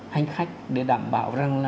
hành khách để đảm bảo rằng là